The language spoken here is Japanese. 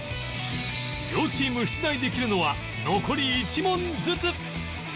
両チーム出題できるのは残り１問ずつ